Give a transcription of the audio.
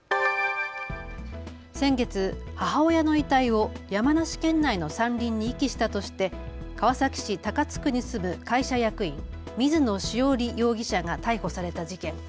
先月、母親の遺体を山梨県内の山林に遺棄したとして川崎市高津区に住む会社役員、水野潮理容疑者が逮捕された事件。